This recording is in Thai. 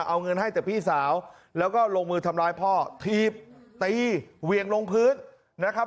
เอาเงินให้แต่พี่สาวแล้วก็ลงมือทำร้ายพ่อถีบตีเวียงลงพื้นนะครับ